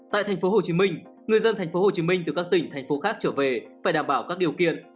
tại thành phố hồ chí minh người dân thành phố hồ chí minh từ các tỉnh thành phố khác trở về phải đảm bảo các điều kiện